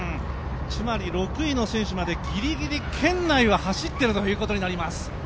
つまり、６位の選手までぎりぎり圏内を走っているということになります。